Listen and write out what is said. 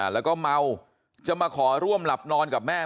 แล้วก็เมาจะมาขอร่วมหลับนอนกับแม่